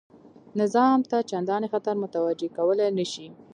نظام ته چنداني خطر متوجه کولای نه شي.